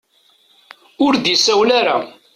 Ur d-isawel ara.